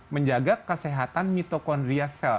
menjaga kesehatan mitokondria sel